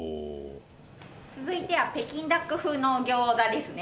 続いては北京ダック風の餃子ですね。